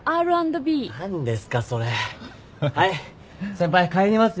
先輩帰りますよ。